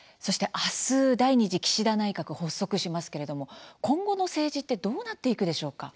あす第２次岸田内閣発足しますけれども、今後の政治どうなっていくでしょうか。